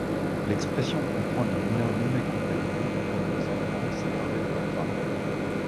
L'expression comprend les mineurs non accompagnés tout comme les enfants séparés de leurs parents.